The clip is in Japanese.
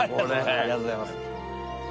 ありがとうございますホント。